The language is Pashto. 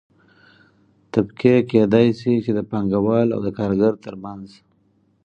طبقې کيدى شي چې د پانګه وال او کارګر ترمنځ